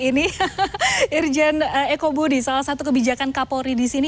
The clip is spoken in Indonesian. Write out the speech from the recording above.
ini irjen ekobudi salah satu kebijakan kapolri di sini